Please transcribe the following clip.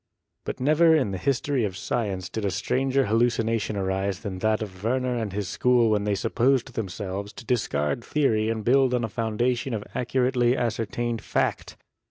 But never in the history of science did a stranger hallu cination arise than that of Werner and his school when they supposed themselves to discard theory and build on a foundation of accurately ascertained fact.